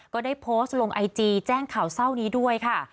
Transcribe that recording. ก็ได้โพสต์ลงไอจีแจ้งข่าวเศร้านี้ด้วยค่ะ